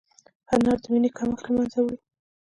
انار د وینې کمښت له منځه وړي.